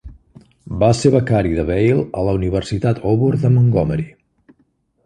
Va ser becari de Weil a la Universitat Auburn de Montgomery.